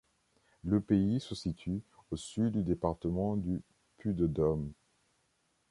Le pays se situe au sud du département du Puy-de-Dôme.